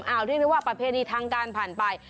เอาเรียกได้ว่าประเพณีทางการผ่านไป